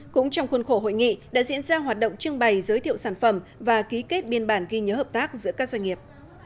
cũng trong khuôn khổ hội nghị đã diễn ra hoạt động trưng bày giới thiệu sản phẩm và ký kết biên bản ghi nhớ hợp tác giữa các doanh nghiệp